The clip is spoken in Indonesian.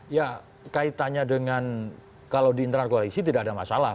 ya kaitannya dengan kalau di internal koalisi tidak ada masalah